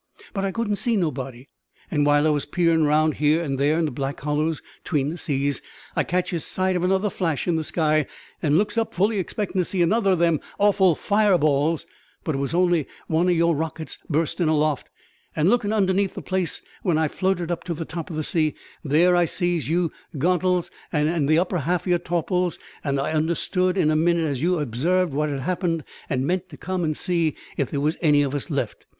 But I couldn't see nobody; and while I was peerin' round here and there into the black hollows between the seas, I catches sight of another flash in the sky, and looks up fully expectin' to see another o' them awful fire balls. But it was only one o' your rockets burstin' up aloft; and lookin' underneath the place when I floated up to the top of a sea, there I sees your to'ga'nts'ls and the upper half of your taups'ls; and I understood in a minute as you'd obsarved what had happened and meant to come and see if there was any of us left.